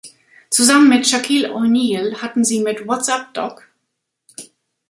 Zusammen mit Shaquille O’Neal hatten sie mit "What's Up Doc?